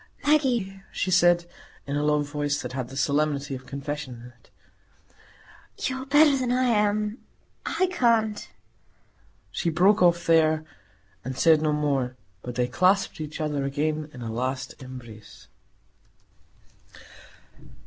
"Maggie," she said, in a low voice, that had the solemnity of confession in it, "you are better than I am. I can't——" She broke off there, and said no more. But they clasped each other again in a last embrace.